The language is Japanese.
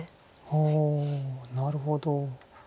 ああなるほど。